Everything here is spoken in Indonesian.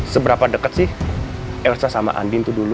seberapa deket sih elsa sama andin tuh dulu